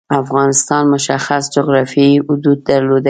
افغانستان مشخص جعرافیايی حدود درلودلي.